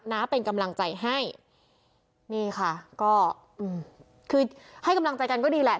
น้าเป็นกำลังใจให้นี่ค่ะก็คือให้กำลังใจกันก็ดีแหละ